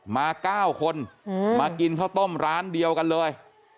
มา๙คนมากินข้าวต้มร้านเดียวกันเลย